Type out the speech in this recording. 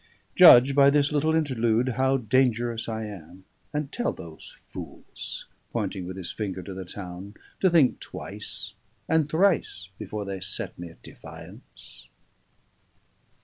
Judge by this little interlude how dangerous I am; and tell those fools" pointing with his finger to the town "to think twice and thrice before they set me at defiance."